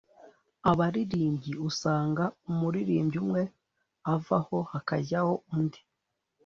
abaririmbyi usanga umuririmbyi umwe avaho hakajyaho undi